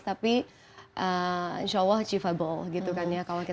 tapi insya allah achievable gitu kan ya kalau kita